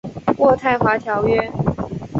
渥太华条约。